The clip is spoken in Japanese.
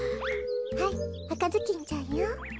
はいあかずきんちゃんよ。